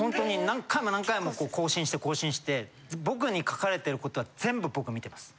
何回も何回もこう更新して更新して僕に書かれてることは全部僕見てます。